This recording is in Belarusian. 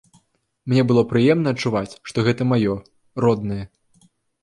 Мне было прыемна адчуваць, што гэта маё, роднае.